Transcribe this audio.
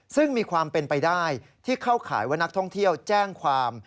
ซึ่งมีความเป็นไปได้ที่เข้าข่ายว่านักท่องเที่ยวแจ้งความ